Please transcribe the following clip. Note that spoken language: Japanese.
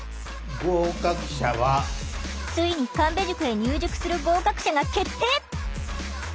ついに神戸塾へ入塾する合格者が決定！